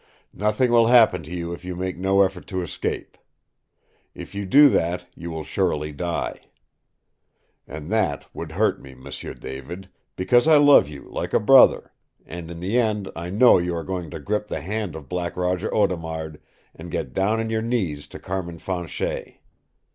Nothing will happen to you if you make no effort to escape. If you do that, you will surely die. And that would hurt me, M'sieu David, because I love you like a brother, and in the end I know you are going to grip the hand of Black Roger Audemard, and get down on your knees to Carmin Fanchet.